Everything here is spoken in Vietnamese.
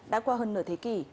đã qua hơn nửa thế kỷ